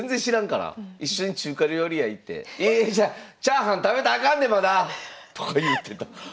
一緒に中華料理屋行って「チャーハン食べたらあかんでまだ！」とか言うてた！